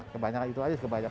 kebanyakan itu aja